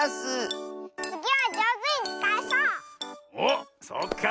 おっそうか。